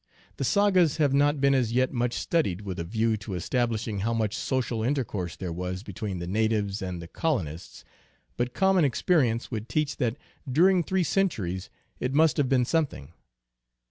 The sagas have not been as yet much studied with a view to establishing how much social intercourse there was between the na tives and the colonists, but common experience would teach that during three centuries it must have been something.